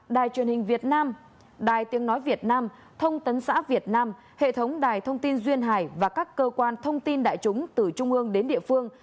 đài truyền hình việt nam đài tiếng nói việt nam thông tấn xã việt nam hệ thống đài thông tin duyên hải và các cơ quan thông tin đại chúng từ trung ương đến địa phương